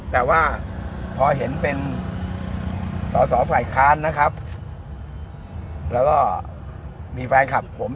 แต่ว่าพอเห็นเป็นสอสอฝ่ายค้านนะครับแล้วก็มีแฟนคลับผม